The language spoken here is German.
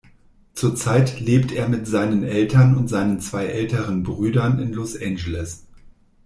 Zurzeit lebt er mit seinen Eltern und seinen zwei älteren Brüdern in Los Angeles.